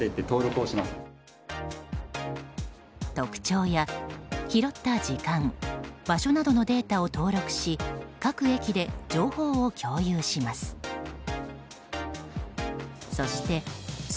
特徴や拾った時間・場所などのデータを登録し各駅で情報を共有します。